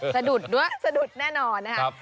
สะดุดด้วยสะดุดแน่นอนนะครับ